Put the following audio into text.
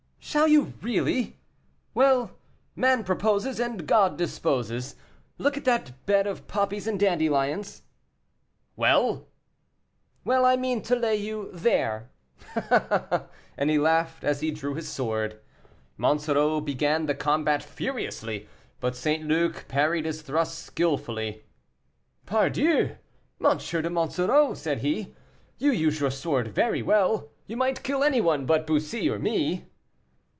"Shall you really? Well, man proposes, and God disposes. Look at that bed of poppies and dandelions." "Well!" "Well, I mean to lay you there." And he laughed as he drew his sword. Monsoreau began the combat furiously, but St. Luc parried his thrusts skilfully. "Pardieu! M. de Monsoreau," said he, "you use your sword very well; you might kill any one but Bussy or me."